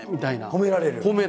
褒められる！